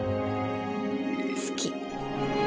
好き。